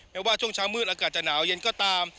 ว่าช่วงเช้ามืดอากาศจะหนาวเย็นก็ตาม